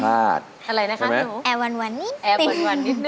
ถ้าไม่มีอะไรผิดพลาด